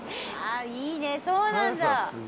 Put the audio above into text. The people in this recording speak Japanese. いいねそうなんだ。